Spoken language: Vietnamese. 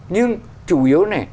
nhưng chủ yếu này